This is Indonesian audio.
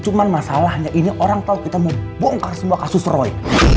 cuma masalahnya ini orang tahu kita mau bongkar semua kasus roy